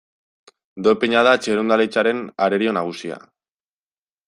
Dopina da txirrindularitzaren arerio nagusia.